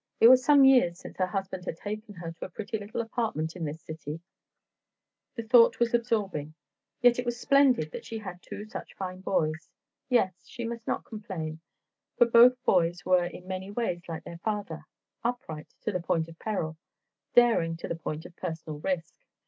It was some years since her husband had taken her to a pretty little apartment in this city. The thought was absorbing. But it was splendid that she had two such fine boys. Yes, she must not complain, for both boys were in many ways like their father, upright to the point of peril, daring to the point of personal risk.